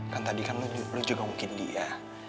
kan tadi kan lo juga mungkin dia